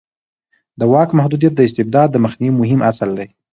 د واک محدودیت د استبداد د مخنیوي مهم اصل دی